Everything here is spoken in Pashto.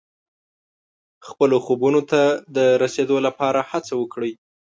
خپلو خوبونو ته د رسیدو لپاره هڅه وکړئ.